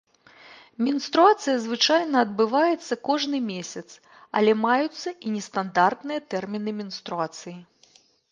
Менструацыя звычайна адбываецца кожны месяц, але маюцца і нестандартныя тэрміны менструацыі.